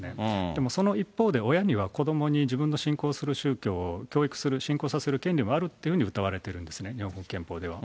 でもその一方で、親には子どもに自分の信仰する宗教を教育する、信仰させる権利もあるっていうふうにうたわれているんですね、日本国憲法では。